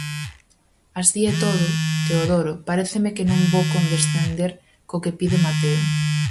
Así e todo, Teodoro, paréceme que non vou condescender co que pide Mateo.